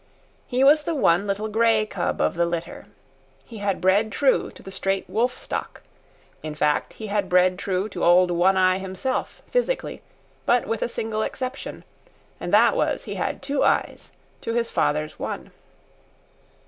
He was the one little grey cub of the litter. He had bred true to the straight wolf stock—in fact, he had bred true to old One Eye himself, physically, with but a single exception, and that was he had two eyes to his father's one.